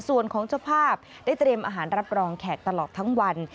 ส่วนของเจ้าภาพได้เตรียมอาหารรับรองแขกตลอดทั้งวัน